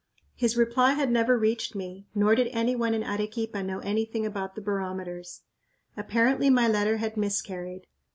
His reply had never reached me, nor did any one in Arequipa know anything about the barometers. Apparently my letter had miscarried.